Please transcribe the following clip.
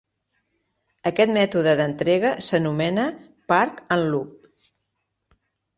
Aquest mètode d'entrega s'anomena "park and loop".